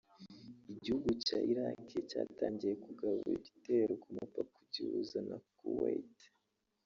Igihugu cya Iraqi cyatangiye kugaba ibitero ku mupaka ugihuza na Kuwait